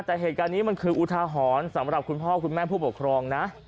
แต่เหตุการณ์นี้มันคืออุทาหรณ์สำหรับคุณพ่อคุณแม่ผู้ปกครองนะ